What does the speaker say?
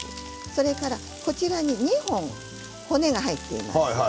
それから、２本骨が入っています。